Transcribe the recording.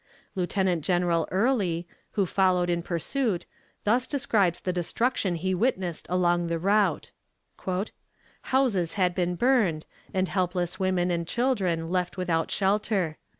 Lieutenant General Early, who followed in pursuit, thus describes the destruction he witnessed along the route: "Houses had been burned, and helpless women and children left without shelter.